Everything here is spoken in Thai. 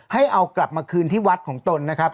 ให้เอากลับมาคืนที่วัดของตนนะครับ